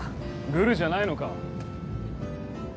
グルじゃないのか？